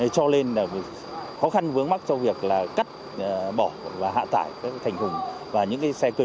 cho lên là khó khăn vướng mắt cho việc là cắt bỏ và hạ tải cái thành thùng và những cái xe cư lưới